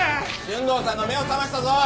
俊藤さんが目を覚ましたぞ。